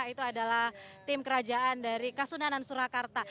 itu adalah tim kerajaan dari kasunanan surakarta